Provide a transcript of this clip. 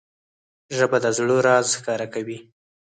ژبه د زړه راز ښکاره کوي